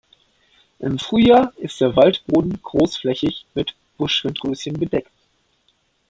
Im Frühjahr ist der Waldboden großflächig mit Buschwindröschen bedeckt.